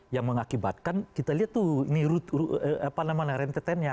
yang mengakibatkan kita lihat tuh ini apa namanya rentetannya